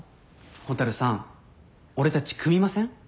蛍さん俺たち組みません？